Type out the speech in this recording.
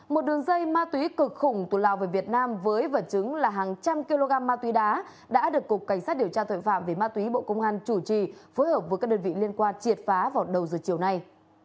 một đường dây ma túy cực khủng từ lào về việt nam với vật chứng là hàng trăm kg ma túy đá đã được cục cảnh sát điều tra tội phạm về ma túy bộ công an chủ trì phối hợp với các đơn vị liên quan triệt phá vào đầu giờ chiều nay